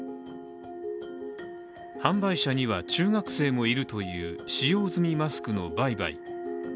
販売者には、中学生もいるという使用済みマスクの売買。